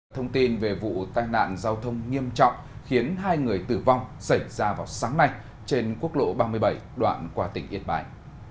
thông tin về vụ tai nạn giao thông nghiêm trọng khiến hai người tử vong xảy ra vào sáng nay trên quốc lộ ba mươi bảy đoạn qua tỉnh yên bái